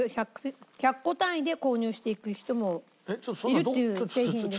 １００個単位で購入していく人もいるっていう製品ですね。